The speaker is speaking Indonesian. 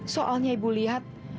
soalnya ibu lihat